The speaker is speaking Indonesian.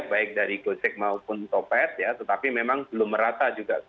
baik dari gojek maupun topet ya tetapi memang belum merata juga